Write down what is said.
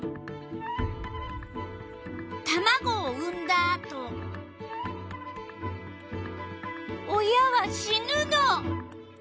タマゴを産んだあと親は死ぬの。